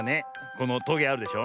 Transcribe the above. このトゲあるでしょ。